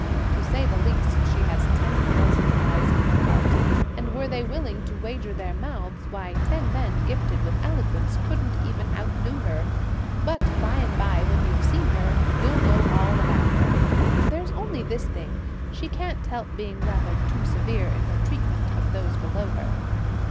To say the least, she has ten thousand eyes in her heart, and were they willing to wager their mouths, why ten men gifted with eloquence couldn't even outdo her! But by and bye, when you've seen her, you'll know all about her! There's only this thing, she can't help being rather too severe in her treatment of those below her."